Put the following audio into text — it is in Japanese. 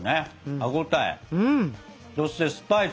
歯応えそしてスパイス。